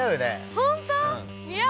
本当？